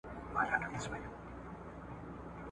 ځئ چي ځو او روانیږو لار اوږده د سفرونو `